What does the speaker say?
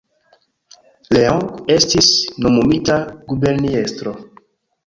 Leon estis nomumita guberniestro.